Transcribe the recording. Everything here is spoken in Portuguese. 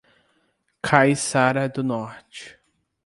Caiçara do Norte